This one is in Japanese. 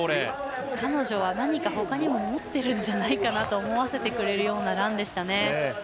彼女は何かほかにも持っているんじゃないかと思わせてくれるようなランでした。